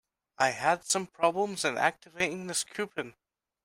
I had some problems in activating this coupon.